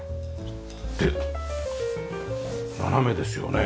で斜めですよね。